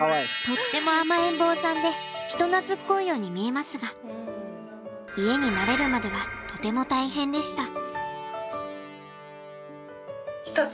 とっても甘えん坊さんで人なつっこいように見えますが家に慣れるまではとても大変でした。